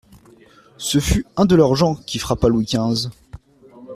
Ce fut un de leurs gens qui frappa Louis quinze.